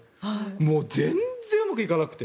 もう全然うまくいかなくて。